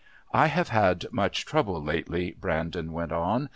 "I have had much trouble lately," Brandon went on.